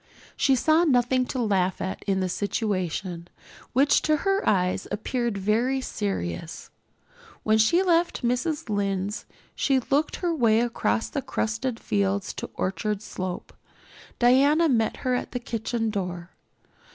She saw nothing to laugh at in the situation, which to her eyes appeared very serious. When she left Mrs. Lynde's she took her way across the crusted fields to Orchard Slope. Diana met her at the kitchen door.